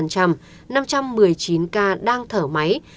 năm trăm một mươi chín ca đang thở máy sáu mươi sáu